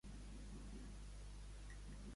On es nota la duresa de Sèneca?